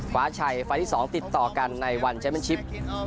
ขวาไชไฟที่๒ติดต่อกันในวันชัมเม้อร์ชิป